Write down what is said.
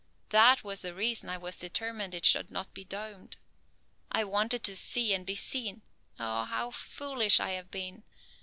That was the reason I was determined it should not be domed. I wanted to see and be seen. Oh, how foolish I have been!